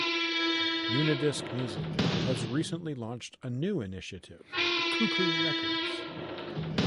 Unidisc Music has recently launched a new initiative; Kookoo Records.